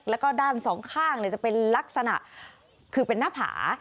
แล้วก็ด้านสองข้างจะเป็นลักษณะคือเป็นหน้าผา